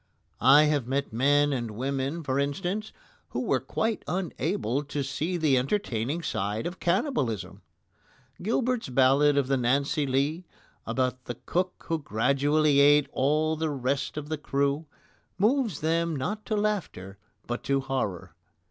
I have met men and women, for instance, who were quite unable to see the entertaining side of cannibalism. Gilbert's ballad of the Nancy Lee, about the cook who gradually ate all the rest of the crew, moves them not to laughter but to horror.